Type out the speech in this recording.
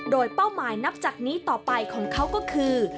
โดยเป้าหมายนับจากนี้ต่อไปของเขาก็คือ